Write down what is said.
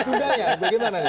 dundanya bagaimana nih